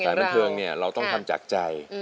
บันเทิงเนี่ยเราต้องทำจากใจ